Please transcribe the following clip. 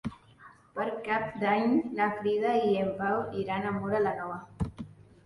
Per Cap d'Any na Frida i en Pau iran a Móra la Nova.